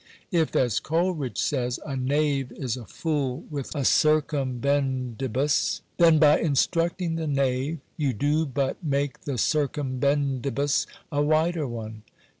If, as Coleridge says, " a knave is a fool with a circumbendibus," then by instructing the knave you do but make the circumbendibus a wider one.